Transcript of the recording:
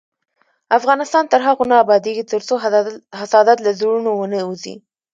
افغانستان تر هغو نه ابادیږي، ترڅو حسادت له زړونو ونه وځي.